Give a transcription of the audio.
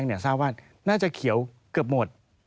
ทราบว่าน่าจะเขียวเกือบหมด